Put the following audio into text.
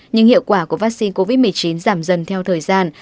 nhưng hiệu quả của vắc xin covid một mươi chín giảm dần theo thời gian